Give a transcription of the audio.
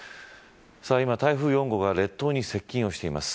今、台風４号が列島に接近しています。